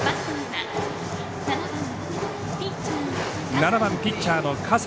７番ピッチャーの葛西。